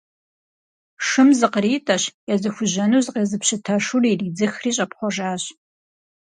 Шым зыкъритӏэщ, езыхужьэну зыкъезыпщыта шур иридзыхри щӏэпхъуэжащ.